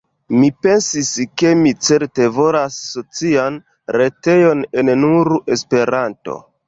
Mi pensis ke mi certe volas socian retejon en nur Esperanto.